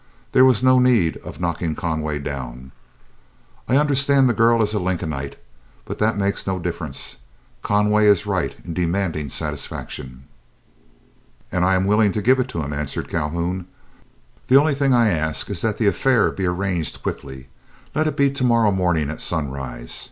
There was no need of knocking Conway down. I understand the girl is a Lincolnite, but that makes no difference, Conway is right in demanding satisfaction." "And I am willing to give it to him," answered Calhoun. "The only thing I ask is that the affair be arranged quickly. Let it be to morrow morning at sunrise.